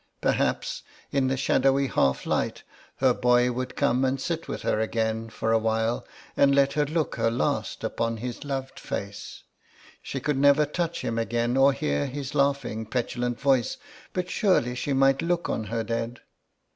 Perhaps in the shadowy half light her boy would come and sit with her again for awhile and let her look her last upon his loved face; she could never touch him again or hear his laughing, petulant voice, but surely she might look on her dead.